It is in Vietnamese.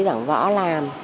giảng võ làm